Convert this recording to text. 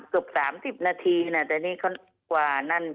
เกือบ๓๐นาทีนะแต่นี่เขากว่านั่น